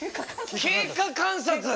経過観察！